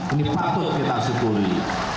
ini patut kita syukuri